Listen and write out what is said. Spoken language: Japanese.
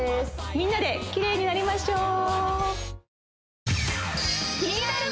みんなできれいになりましょう！